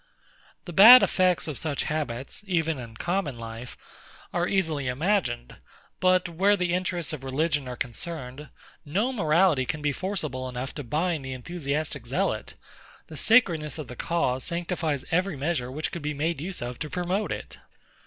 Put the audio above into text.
The bad effects of such habits, even in common life, are easily imagined; but where the interests of religion are concerned, no morality can be forcible enough to bind the enthusiastic zealot. The sacredness of the cause sanctifies every measure which can be made use of to promote it.